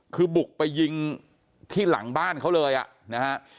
คือบุกไปยิงที่หลังบ้านเขาเลยอ่ะนะฮะ